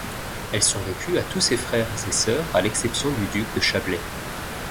Elle survécut à tous ses frères et sœurs à l'exception du Duc de Chablais.